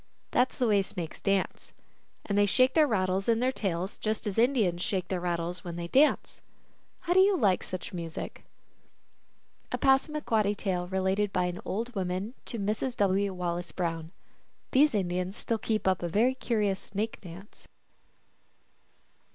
That s the way snakes dance. And they shake the rattles in their tails just as Indians shake their rattles when they dance. How do you like such music ? A Passamaquoddy tale related by an old woman to Mrs. W. Wallace Brown. These Indians still keep up a very curious snake dance.